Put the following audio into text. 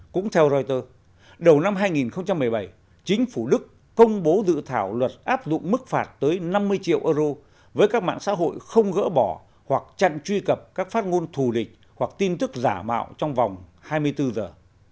cũng theo reuters đầu năm hai nghìn một mươi bảy chính phủ đức công bố dự thảo luật áp dụng mức phạt tới năm mươi triệu euro với các mạng xã hội không gỡ bỏ hoặc chặn truy cập các phát ngôn thù địch hoặc tin tức giả mạo trong vòng hai mươi bốn giờ